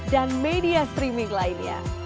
dan media streaming lainnya